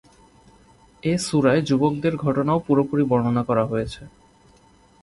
এ সূরায় যুবকদের ঘটনাও পুরোপুরি বর্ণনা করা হয়েছে।